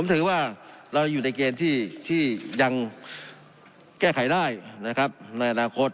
ถือว่าเรายังอยู่ในเกณฑ์ที่ยังแก้ไขได้นะครับในอนาคต